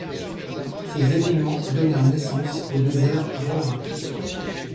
Ces événements donnèrent naissance au désert Raurin.